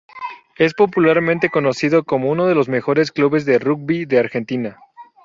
Es popularmente conocido como uno de los mejores clubes de rugby de Argentina.